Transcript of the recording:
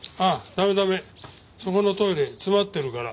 駄目そこのトイレ詰まってるから。